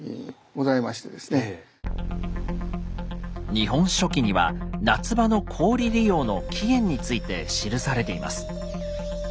「日本書紀」には夏場の氷利用の起源について記されています。